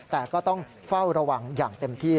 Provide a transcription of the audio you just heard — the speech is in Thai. แต่ก็ต้องเฝ้าระวังอย่างเต็มที่